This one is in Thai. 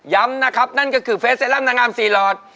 ย้ำนะครับนั่นก็คือเฟสเซรั่มนางงามสี่หลอด